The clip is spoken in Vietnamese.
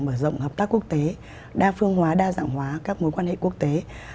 mở rộng hợp tác quốc tế đa phương hóa đa dạng hóa các mối quan hệ quốc tế